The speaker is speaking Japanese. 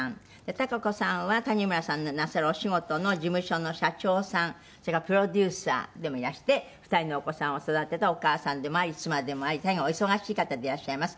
孝子さんは、谷村さんのなさるお仕事の事務所の社長さんそれからプロデューサーでもいらして２人のお子さんを育てたお母さんでもあり、妻でもあり大変お忙しい方でいらっしゃいます。